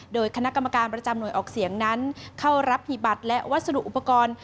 โดยคณะกรรมการประจำหน่วยออกเสียงนั้นเข้ารับหีบบัตรและวัสดุอุปกรณ์